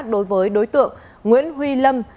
đối với đối tượng nguyễn huy lâm